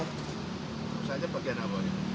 rusaknya bagian apa ini